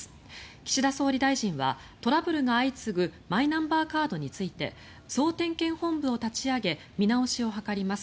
岸田総理大臣はトラブルが相次ぐマイナンバーカードについて総点検本部を立ち上げ見直しを図ります。